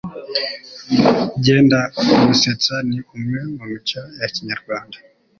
Byendagusetsa ni umwe mu mico ya kinyarwanda